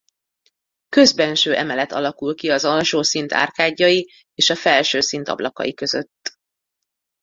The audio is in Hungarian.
Közbenső emelet alakul ki az alsó szint árkádjai és a felső szint ablakai között.